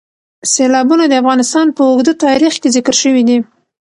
سیلابونه د افغانستان په اوږده تاریخ کې ذکر شوي دي.